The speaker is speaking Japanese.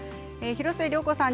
広末涼子さん